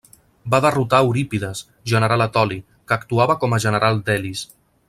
Va derrotar a Eurípides, general etoli, que actuava com a general d'Elis.